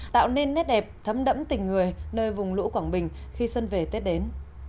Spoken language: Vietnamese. tạo nên nét đẹp thấm đẫm tình người nơi vùng lũ quảng bình khi xuân về tết đến